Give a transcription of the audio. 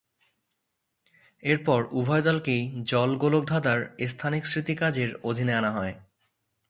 এরপর উভয় দলকেই জল গোলকধাঁধার স্থানিক স্মৃতি কাজের অধীনে আনা হয়।